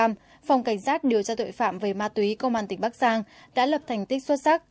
phòng cảnh sát điều tra tội phạm về ma túy công an tỉnh bắc giang đã lập thành tích xuất sắc